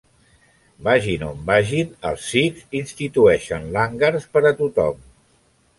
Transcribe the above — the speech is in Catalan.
Vagin on vagin, els sikhs institueixen langars per a tothom.